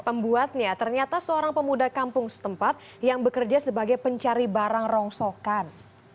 pembuatnya ternyata seorang pemuda kampung setempat yang bekerja sebagai pencari barang rongsokan